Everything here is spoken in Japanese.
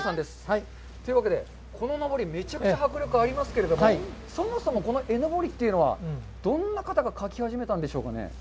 こののぼりめっちゃ迫力がありますけれどもそもそもこの絵のぼりというのはどんな方が描き始めたんでしょうかね。